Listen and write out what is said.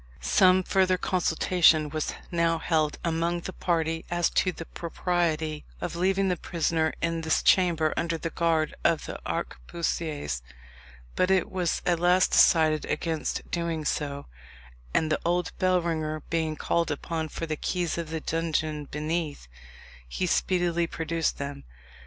Some further consultation was now held among the party as to the propriety of leaving the prisoner in this chamber under the guard of the arquebusiers, but it was at last decided against doing so, and the old bellringer being called upon for the keys of the dungeon beneath, he speedily produced them.